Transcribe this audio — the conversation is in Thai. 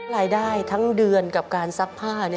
รายได้ทั้งเดือนกับการซักผ้า